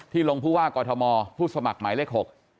ลงผู้ว่ากอทมผู้สมัครหมายเลข๖